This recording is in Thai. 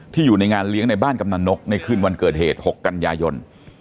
ที่อยู่ในงานเลี้ยงในบ้านกำหนังนกในขึ้นวันเกิดเหตุหกกัณญายน